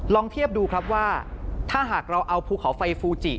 ลองเทียบดูครับว่าถ้าหากเราเอาภูเขาไฟฟูจิ